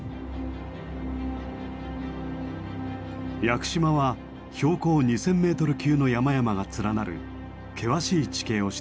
屋久島は標高２，０００ｍ級の山々が連なる険しい地形をしています。